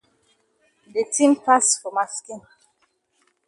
De tin pass for ma skin.